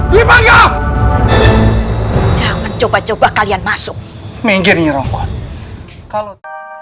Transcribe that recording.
di bangga jangan coba coba kalian masuk minggirnya ronggot kalau